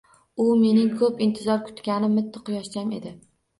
U mening ko`p intizor kutganim mitti quyoshcham edi